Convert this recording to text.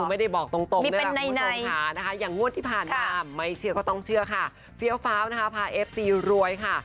อ๋อมีเป็นในนะคะอย่างนวดที่ผ่านมาไม่เชื่อก็ต้องเชื่อค่ะฟิ้วเฟ้าฟาเอฟซีรวยค่ะ